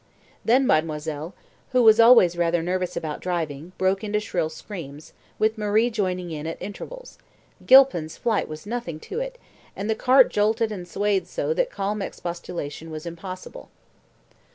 Then mademoiselle, who was always rather nervous about driving, broke into shrill screams, with Marie joining in at intervals Gilpin's flight was nothing to it and the cart jolted and swayed so that calm expostulation was impossible.